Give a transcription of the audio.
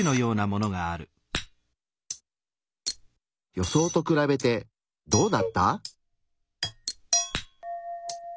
予想と比べてどうだった？